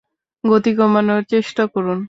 গতি কমানোর চেষ্টা করুন!